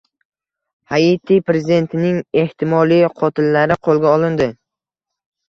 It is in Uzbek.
Haiti prezidentining ehtimoliy qotillari qo‘lga olindi